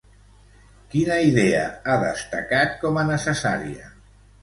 Quina idea ha destacat com a necessària?